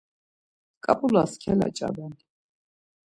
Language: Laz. ǩap̌ulas kelaç̌aben.